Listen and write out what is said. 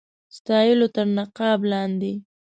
ستایلو تر نقاب لاندي.